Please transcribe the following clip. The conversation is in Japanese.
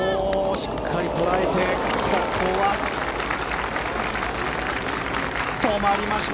しっかり捉えてここは止まりました。